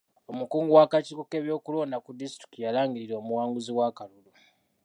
Omukungu w'akakiiko k'ebyokulonda ku disitulikiti yalangirira omuwanguzi w'akalulu.